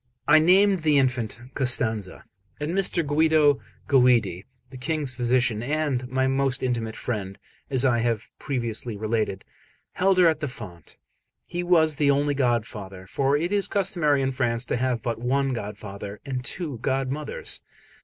I named the infant Costanza; and Mr. Guido Guidi, the King's physician, and my most intimate friend, as I have previously related, held her at the font. He was the only godfather; for it is customary in France to have but one godfather and two godmothers.